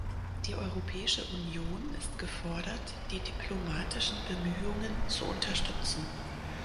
Die Europäische Union ist gefordert, die diplomatischen Bemühungen zu unterstützen.